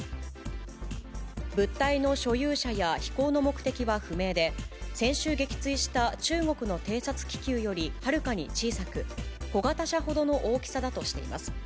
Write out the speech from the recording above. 物体の所有者や飛行の目的は不明で、先週撃墜した中国の偵察気球よりはるかに小さく、小型車ほどの大きさだとしています。